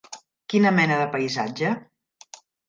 Quina mena de paisatge?